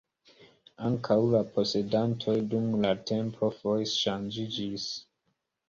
Ankaŭ la posedantoj dum la tempo foje ŝanĝiĝis.